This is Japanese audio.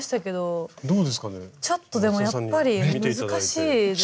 ちょっとでもやっぱり難しいですね。